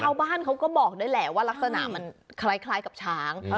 แฉวบ้านก็บอกเลยเล่ารักษณะมันคล้ายกับช้าง